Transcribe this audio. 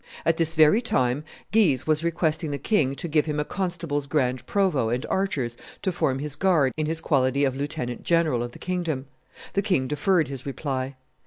At this very time Guise was requesting the king to give him a constable's grand provost and archers to form his guard in his quality of lieutenant general of the kingdom. The king deferred his reply.